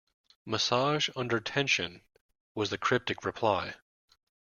Massage under tension, was the cryptic reply.